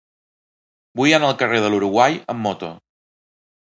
Vull anar al carrer de l'Uruguai amb moto.